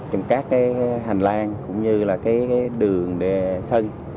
trong các cái hành lang cũng như là cái đường để sân